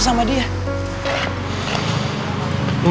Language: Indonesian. buat sedikit trading